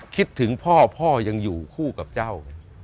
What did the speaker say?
คิดถึงพ่อพ่อยังอยู่คู่กับเจ้า